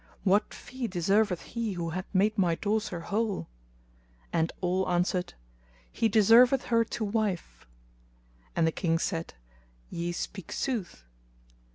What fee deserveth he who hath made my daughter whole?" and all answered, "He deserveth her to wife;" and the King said, "Ye speak sooth!"